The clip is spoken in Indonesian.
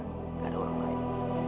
gak ada orang lain